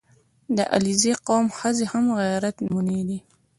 • د علیزي قوم ښځې هم د غیرت نمونې دي.